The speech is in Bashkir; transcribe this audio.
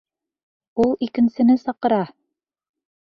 Ул икенсене саҡыра!